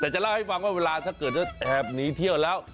แต่จะเล่าให้ฟังว่าเวลาถ้าเกิดว่าแอบหนีเที่ยวแล้ว